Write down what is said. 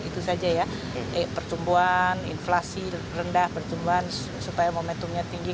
itu saja ya pertumbuhan inflasi rendah pertumbuhan supaya momentumnya tinggi